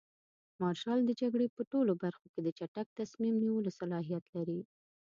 مارشال د جګړې په ټولو برخو کې د چټک تصمیم نیولو صلاحیت لري.